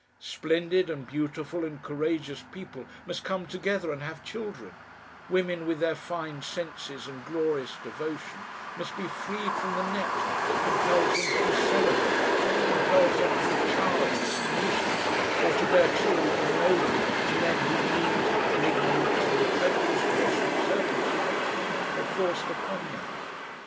Splendid and beautiful and courageous people must come together and have children, women with their fine senses and glorious devotion must be freed from the net that compels them to be celibate, compels them to be childless and useless, or to bear children ignobly to men whom need and ignorance and the treacherous pressure of circumstances have forced upon them.